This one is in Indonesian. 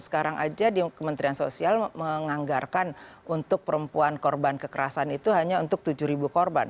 sekarang aja di kementerian sosial menganggarkan untuk perempuan korban kekerasan itu hanya untuk tujuh korban